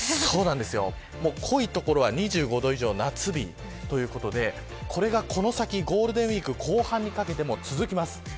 濃い所は２５度以上夏日ということでこれがこの先ゴールデンウイーク後半にかけても続きます。